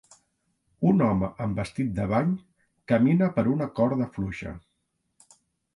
Un home amb vestit de bany camina per una corda fluixa.